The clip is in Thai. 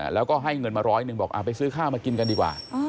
แล้วก็ให้เงินมาร้อยหนึ่งบอกไปซื้อข้าวมากินกันดีกว่า